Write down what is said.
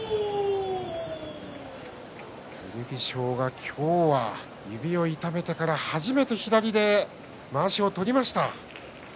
剣翔は今日指を痛めてから初めて左でまわしを取りました。